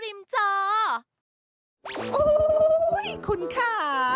โอ้โหคุณค่ะ